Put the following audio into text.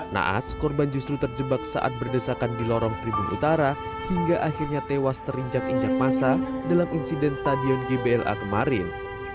naas korban justru terjebak saat berdesakan di lorong tribun utara hingga akhirnya tewas terinjak injak masa dalam insiden stadion gbla kemarin